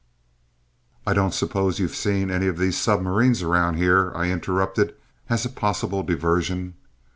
"I don't suppose you've seen any of these submarines around here," I interrupted, as a possible diversion.